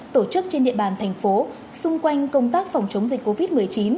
tổ chức trên địa bàn thành phố xung quanh công tác phòng chống dịch covid một mươi chín